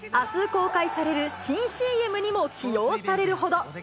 あす公開される新ＣＭにも起用されるほど。